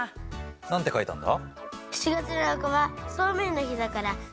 何て書いたんだ？